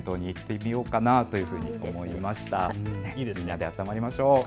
みんなで温まりましょう。